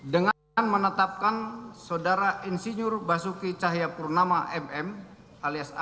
dengan menetapkan sodara insinyur basuki cakrabarty